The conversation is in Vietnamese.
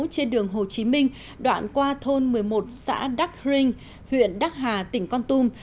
trên đường hồ chí minh đoạn qua thôn một mươi một xã đắc rinh huyện đắc hà tỉnh con tum